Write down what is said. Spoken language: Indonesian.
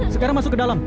sekarang masuk ke dalam